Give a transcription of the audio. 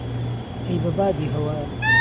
ئهی به بادی ههوایه